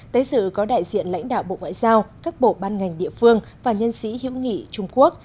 tới sự có đại diện lãnh đạo bộ ngoại giao các bộ ban ngành địa phương và nhân sĩ hiệu nghị trung quốc